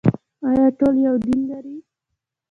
آیا ټول یو دین لري؟